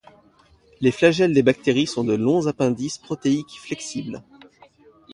Les flagelles des bactéries sont de longs appendices protéiques flexibles.